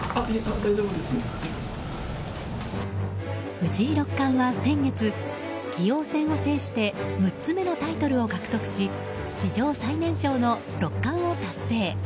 藤井六冠は先月棋王戦を制して６つ目のタイトルを獲得し史上最年少の六冠を達成。